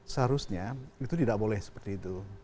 seharusnya itu tidak boleh seperti itu